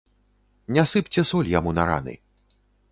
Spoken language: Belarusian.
Не сыпце соль яму на раны.